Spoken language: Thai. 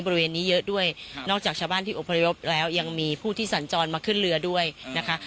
บริเวณนี้เยอะด้วยนอกจากชาวบ้านที่อพยพแล้วยังมีผู้ที่สัญจรมาขึ้นเรือด้วยนะคะ